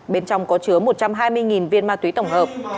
bên trong có chứa một trăm hai mươi viên ma túy tổng hợp